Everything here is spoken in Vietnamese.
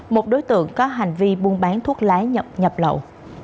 một đối tượng có hành vi buôn bán thuốc lá nhập lậu